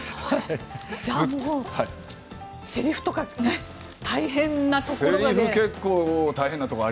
じゃあ、せりふとか大変なところは。